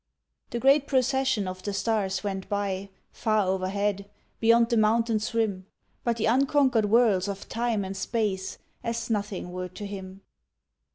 The great procession of the stars went by Far overhead, beyond the mountain's rim, But the unconquered worlds of time and space, As nothing were to him.